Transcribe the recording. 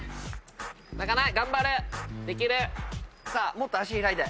もっと足開いて。